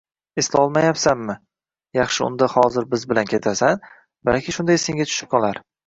Eslolmayapsanmi, yaxshi, unda hozir biz bilan ketasan, balki shunda esingga tushib qolar